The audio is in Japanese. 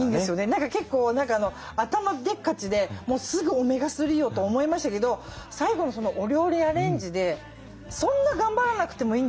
何か結構頭でっかちですぐオメガ３をと思いましたけど最後のお料理アレンジでそんな頑張らなくてもいいんですもんね。